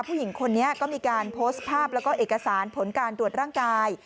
ผู้หญิงคนนี้ก็มีการโพสต์ภาพแล้วก็เอกสารผลการตรวจร่างกาย